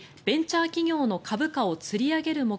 ベンチャー企業の株価をつり上げる